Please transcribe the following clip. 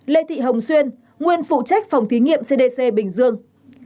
ba lê thị hồng xuyên nguyên phụ trách phòng thí nghiệm cdc bình dương